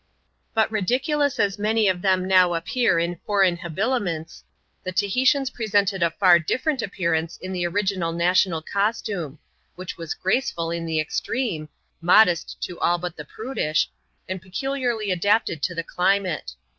But ridiculous as many of them now appear in foreign habi*^ liments, the Tahitians presented a far different appearance ia the original national costume ; which was graceful in the ex treme, modest to all but the prudish, and peculiarly adapted to the climate.